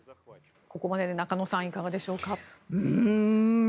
ここまでで中野さんいかがでしょうか？